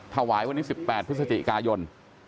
ถวายวันนี้๑๘พฤศจิกายน